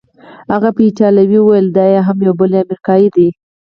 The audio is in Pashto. هغه په ایټالوي وویل: دا یې هم یو بل امریکايي دی.